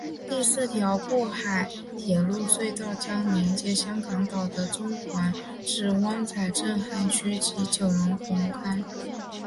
第四条过海铁路隧道将连接香港岛的中环至湾仔填海区及九龙红磡。